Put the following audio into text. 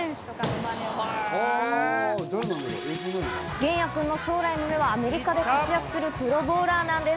弦矢くんの将来の夢は、アメリカで活躍するプロボウラーなんです。